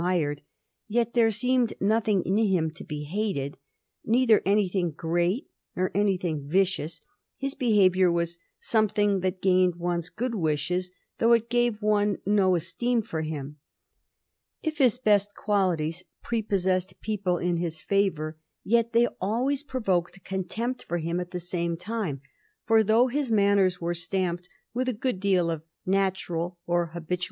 mired, yet there seemed nothing in him to be hated — neither anything great nor anything vicious; his behav ior was something that gained one's good wishes though it gave one no esteem for him. If his best qualities pre possessed people in his favor, yet they always provoked contempt for him at the same time; for, though his mar ners were stamped with a good deal of natural or habitua.